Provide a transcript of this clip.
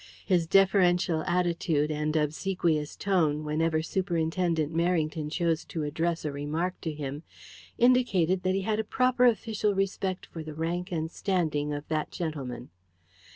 His deferential attitude and obsequious tone whenever Superintendent Merrington chose to address a remark to him indicated that he had a proper official respect for the rank and standing of that gentleman.